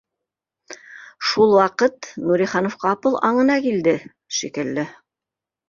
Шул ваҡыт Нуриханов ҡапыл аңына килде шикелле